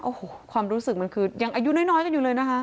โอ้โหความรู้สึกมันคือยังอายุน้อยกันอยู่เลยนะคะ